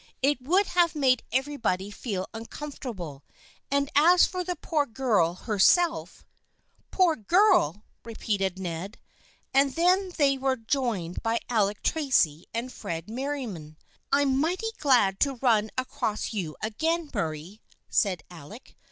It would have made everybody feel uncomfortable and as for the poor girl herself "" Poor girl !" repeated Ned. And then they were joined by Alec Tracy and Fred Merriam. " I'm mighty glad to run across you again, Murray," said Alec.